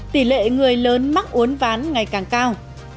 tỷ lệ người lớn mắc uốn ván ngày càng cao